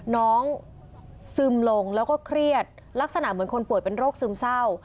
ซึมลงแล้วก็เครียดลักษณะเหมือนคนป่วยเป็นโรคซึมเศร้า